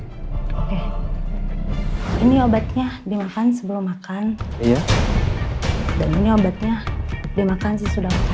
ini obatnya dimakan sebelum makan iya dan ini obatnya dimakan sesudah makan